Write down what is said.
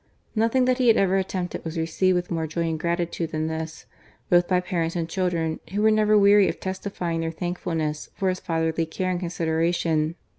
Nothing that lie bad ever attempted was received with more joy and gratitude than this, both by parents and children, who were never weary of testifjing their thankfulness for his fatherly care and consideration.